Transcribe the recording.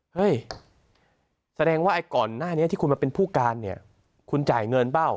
เฮ้ยแสดงว่าไอ้ก่อนหน้านี้ที่คุณมาเป็นผู้การเนี่ยคุณจ่ายเงินเปล่า